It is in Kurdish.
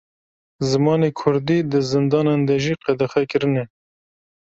Zimanê Kurdî, di zindanan de jî qedexe kirine